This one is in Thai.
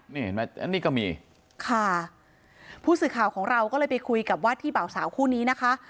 นี่เห็นไหมอันนี้ก็มีค่ะผู้สื่อข่าวของเราก็เลยไปคุยกับวาดที่เบาสาวคู่นี้นะคะ